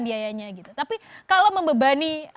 biayanya gitu tapi kalau membebani